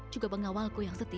juga pengawalku yang setia